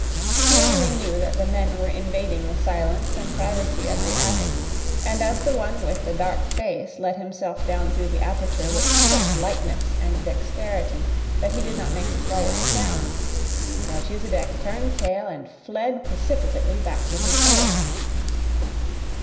He only knew that the men were invading the silence and privacy of the attic; and as the one with the dark face let himself down through the aperture with such lightness and dexterity that he did not make the slightest sound, Melchisedec turned tail and fled precipitately back to his hole.